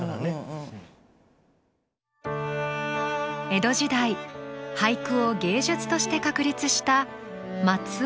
江戸時代俳句を芸術として確立した松尾芭蕉。